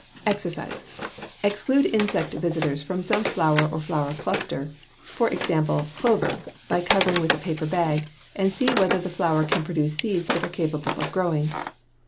=EXERCISE= Exclude insect visitors from some flower or flower cluster, for example, clover, by covering with a paper bag, and see whether the flower can produce seeds that are capable of growing.